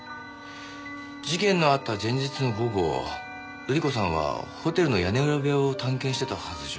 事件のあった前日の午後瑠璃子さんはホテルの屋根裏部屋を探検してたはずじゃ。